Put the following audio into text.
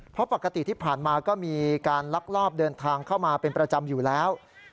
เพราะปกติที่ผ่านมาก็มีการลักลอบเดินทางเข้ามาเป็นประจำอยู่แล้ว